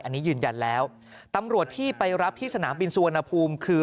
อันนี้ยืนยันแล้วตำรวจที่ไปรับที่สนามบินสุวรรณภูมิคือ